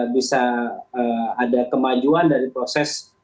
bisa ada kemajuan dari proses